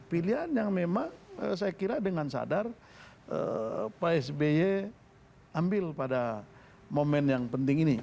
pilihan yang memang saya kira dengan sadar pak sby ambil pada momen yang penting ini